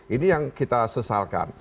ini yang kita sesalkan